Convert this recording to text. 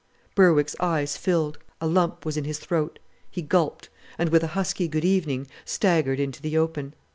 Berwick's eyes filled; a lump was in his throat. He gulped, and with a husky "Good evening!" staggered into the open.